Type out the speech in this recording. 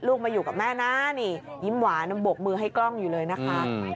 มาอยู่กับแม่นะนี่ยิ้มหวานบกมือให้กล้องอยู่เลยนะคะ